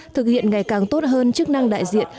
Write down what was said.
thực hiện ngày càng tốt hơn chức năng đại diện